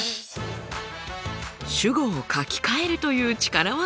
主語を書き換えるという力技。